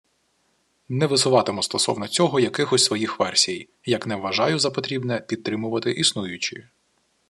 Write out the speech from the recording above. Не висуватиму стосовно цього якихось своїх версій, як не вважаю за потрібне підтримувати існуючі